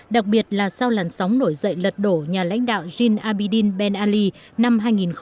đặc biệt là sau làn sóng nổi dậy lật đổ nhà lãnh đạo jean abidine ben ali năm hai nghìn một mươi một